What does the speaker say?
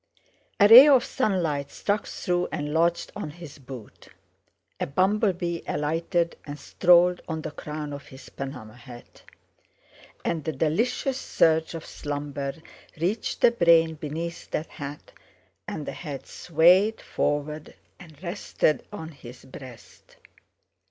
A ray of sunlight struck through and lodged on his boot. A bumble bee alighted and strolled on the crown of his Panama hat. And the delicious surge of slumber reached the brain beneath that hat, and the head swayed forward and rested on his breast.